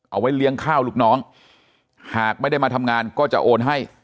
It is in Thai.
เอาไว้เลี้ยงข้าวลูกน้องหากไม่ได้มาทำงานก็จะโอนให้